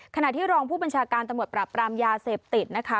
ขณะที่รองผู้บัญชาการตำรวจปราบรามยาเสพติดนะคะ